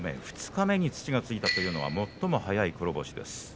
二日目に土がついたというのは最も早い黒星です。